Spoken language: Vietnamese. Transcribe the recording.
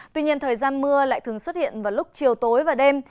tuy nhiên thời gian mưa lại thường xuất hiện vào lúc chiều tối và đêm